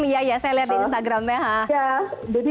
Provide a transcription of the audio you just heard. iya ya saya lihat di instagramnya